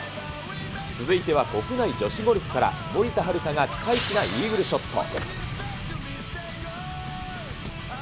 続いては国内女子ゴルフから、森田遥がピカイチなイーグルショット。